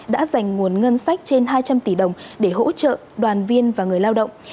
đã dành nguồn ngân sách trên hai trăm linh tỷ đồng để hỗ trợ đoàn viên và người lao động